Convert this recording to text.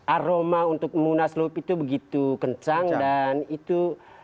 aroma untuk munaslup itu begitu kencang dan itu